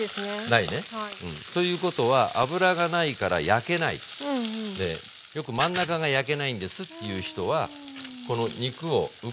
ないね。ということは油がないから焼けないんでよく真ん中が焼けないんですっていう人はこの肉を浮かせて焼いてない。